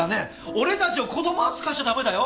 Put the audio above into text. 俺たちを子供扱いしちゃダメだよ。